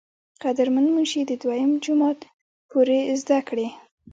قدر مند منشي د دويم جمات پورې زدکړې